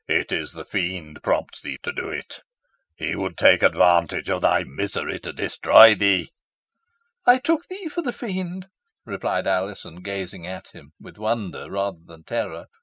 "It is the Fiend prompts thee to do it. He would take advantage of thy misery to destroy thee." "I took thee for the Fiend," replied Alizon, gazing at him with wonder rather than with terror.